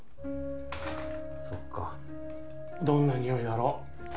そっかどんな匂いだろ？